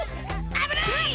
あぶない！